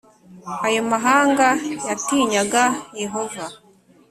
Ayo mahanga yatinyaga Yehova